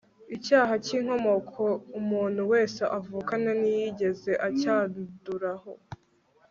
icyaha cy'inkomoko umuntu wese avukana ntiyigeze acyanduraho